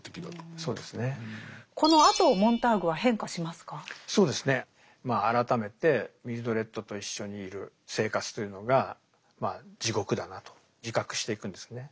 まあ改めてミルドレッドと一緒にいる生活というのが地獄だなと自覚していくんですね。